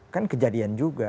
kan kejadian juga